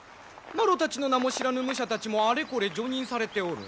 まろたちの名も知らぬ武者たちもあれこれ叙任されておる。